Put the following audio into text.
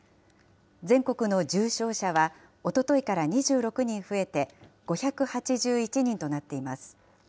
全国の重症者は、おとといから２６人増えて５８１人となっています。